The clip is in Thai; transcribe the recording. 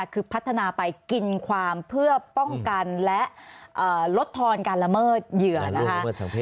คือพัฒนาไปกินความเพื่อป้องกันและลดทอนการละเมิดเหยื่อนะคะ